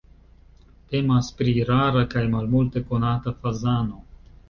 Temas pri rara kaj malmulte konata fazano.